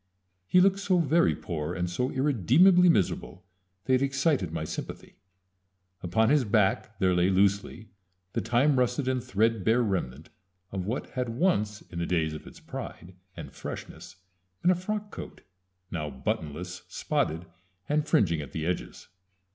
He looked so very poor and so irremediably miserable that he excited my sympathy. Upon his back there lay loosely the time rusted and threadbare remnant of what had once in the days of its pride and freshness been a frock coat, now buttonless, spotted, and fringing at the edges.